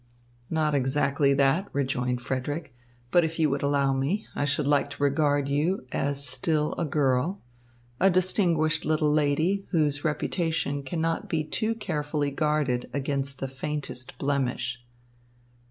"Not exactly that," rejoined Frederick, "but if you would allow me, I should like to regard you as still a girl, a distinguished little lady, whose reputation cannot be too carefully guarded against the faintest blemish."